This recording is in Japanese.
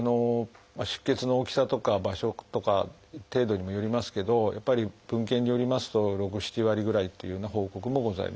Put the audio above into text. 出血の大きさとか場所とか程度にもよりますけどやっぱり文献によりますと６７割ぐらいというような報告もございます。